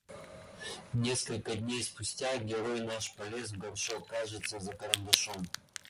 Несколько дней спустя герой наш полез в горшок, кажется, за карандашом.